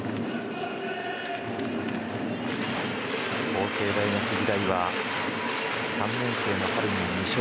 法政大学時代、３年生の春に２勝。